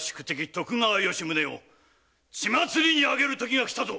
徳川吉宗を血祭りに上げるときがきたぞ。